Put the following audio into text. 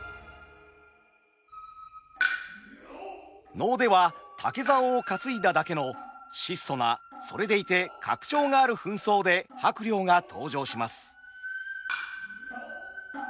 能では竹竿を担いだだけの質素なそれでいて格調がある扮装で伯了が登場します。